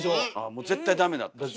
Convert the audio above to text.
もう絶対ダメだったんですね。